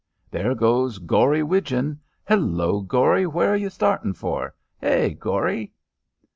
"There goes Gory Widgeon! Hello, Gory! Where you starting for? Hey, Gory!"